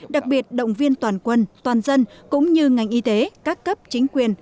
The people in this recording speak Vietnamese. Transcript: đặc biệt động viên toàn quân toàn dân cũng như ngành y tế các cấp chính quyền